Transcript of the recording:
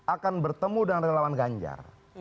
akan bertemu dengan relawan ganjar